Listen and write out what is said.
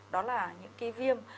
đó là những cái viêm